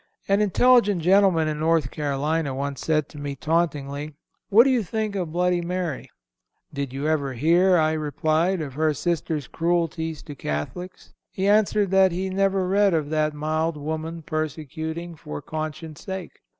(324) An intelligent gentleman in North Carolina once said to me tauntingly, What do you think of bloody Mary? Did you ever hear, I replied, of her sister's cruelties to Catholics? He answered that he never read of that mild woman persecuting for conscience' sake.